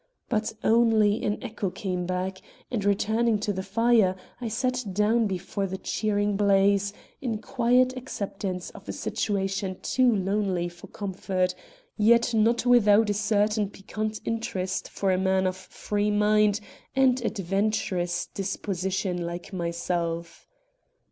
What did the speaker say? But only an echo came back, and, returning to the fire, I sat down before the cheering blaze, in quiet acceptance of a situation too lonely for comfort, yet not without a certain piquant interest for a man of free mind and adventurous disposition like myself.